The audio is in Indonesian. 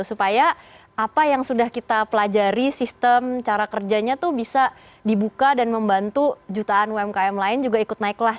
supaya apa yang sudah kita pelajari sistem cara kerjanya tuh bisa dibuka dan membantu jutaan umkm lain juga ikut naik kelas